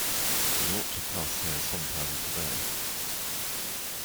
They ought to pass here some time today.